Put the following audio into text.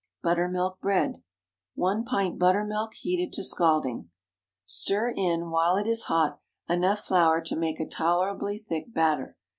BUTTERMILK BREAD. 1 pint buttermilk heated to scalding. Stir in, while it is hot, enough flour to make a tolerably thick batter.